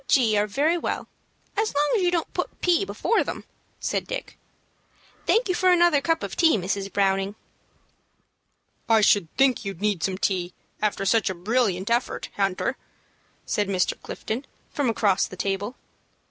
G. are very well as long as you don't put P. before them," said Dick. "Thank you for another cup of tea, Mrs. Browning." "I should think you'd need some tea after such a brilliant effort, Hunter," said Mr. Clifton, from across the table.